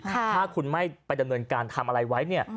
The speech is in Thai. ถ้าคุณไม่ไปดำเนินการทำอะไรไว้เนี่ย